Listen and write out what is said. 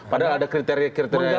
padahal ada kriteria kriteria